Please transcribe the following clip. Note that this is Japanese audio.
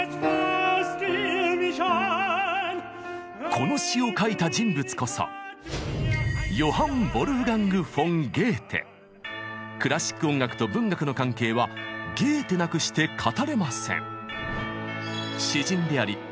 この詩を書いた人物こそクラシック音楽と文学の関係はゲーテなくして語れません。